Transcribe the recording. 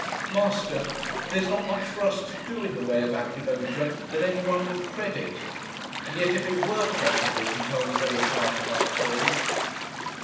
Master, there's not much for us to do in the way of Apologia that any one will credit. And yet if it were possible to tell the very heart of our story....